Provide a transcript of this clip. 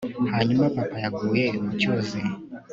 Hanyuma Papa yaguye mu cyuzi